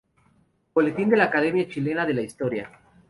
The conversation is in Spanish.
Boletín de la Academia Chilena de la Historia.